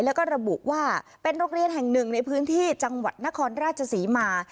แล้วก็ระบุว่าเป็นโรงเรียนแห่งหนึ่งในพื้นที่จังหวัดนครราชศรีมา